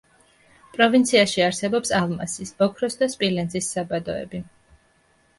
პროვინციაში არსებობს ალმასის, ოქროს და სპილენძის საბადოები.